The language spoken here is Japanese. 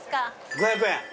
５００円。